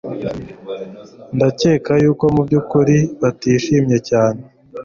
ndakeka yuko mubyukuri batishimye cyane